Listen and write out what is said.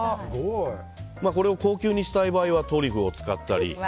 これを高級にしたい場合はトリュフを使ったり。